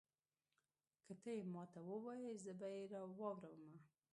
که تۀ یې ماته ووایي زه به یې واورمه.